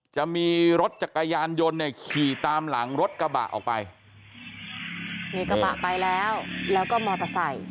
จะมีรถจักรยานยนต์เนี่ยขี่ตามหลังรถกระบะออกไปนี่กระบะไปแล้วแล้วก็มอเตอร์ไซค์